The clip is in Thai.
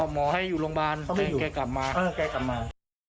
หมอให้อยู่โรงพยาบาลเขาก็กลับมา